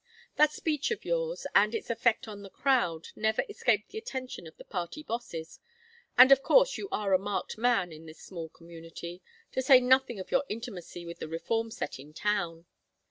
That speech of yours, and its effect on the crowd, never escaped the attention of the party bosses, and of course you are a marked man in this small community to say nothing of your intimacy with the reform set in town.